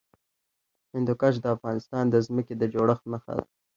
هندوکش د افغانستان د ځمکې د جوړښت نښه ده.